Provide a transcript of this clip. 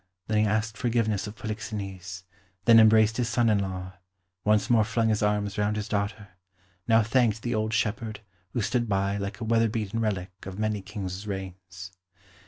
Then he asked forgiveness of Polixenes; then embraced his son in law; once more flung his arms round his daughter; now thanked the old shepherd, who stood by like a weather beaten relic of many Kings' reigns.